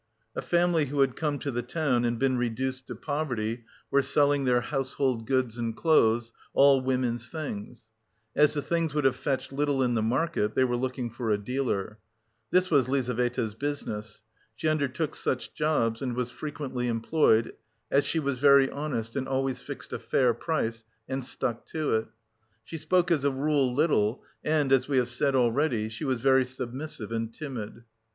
A family who had come to the town and been reduced to poverty were selling their household goods and clothes, all women's things. As the things would have fetched little in the market, they were looking for a dealer. This was Lizaveta's business. She undertook such jobs and was frequently employed, as she was very honest and always fixed a fair price and stuck to it. She spoke as a rule little and, as we have said already, she was very submissive and timid.